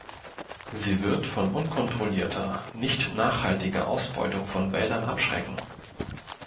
Sie wird von unkontrollierter, nicht-nachhaltiger Ausbeutung von Wäldern abschrecken.